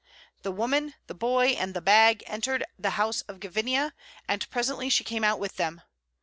The woman, the boy, and the bag entered the house of Gavinia, and presently she came out with them.